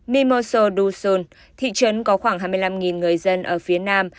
mimoso do sul thị trấn có khoảng hai mươi năm người dân ở phía nam